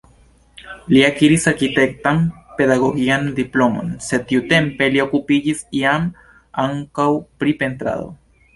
Li akiris arkitektan-pedagogian diplomon, sed tiutempe li okupiĝis jam ankaŭ pri pentrado.